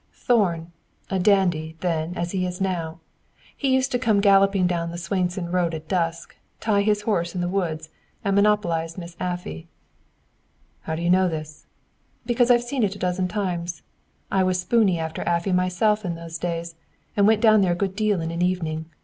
"Thorn. A dandy, then, as he is now. He used to come galloping down the Swainson road at dusk, tie his horse in the woods, and monopolize Miss Afy." "How do you know this?" "Because I've seen it a dozen times. I was spooney after Afy myself in those days, and went down there a good deal in an evening.